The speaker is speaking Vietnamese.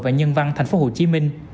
và nhân văn tp hcm